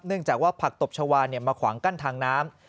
จากว่าผักตบชาวามาขวางกั้นทางน้ำ